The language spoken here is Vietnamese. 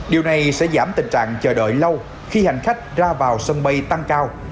điều này sẽ giảm tình trạng chờ đợi lâu khi hành khách ra vào sân bay tăng cao